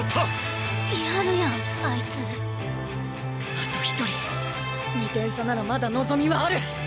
あと１人２点差ならまだ望みはある！